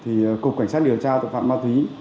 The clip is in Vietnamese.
thì cục cảnh sát điều tra tội phạm ma túy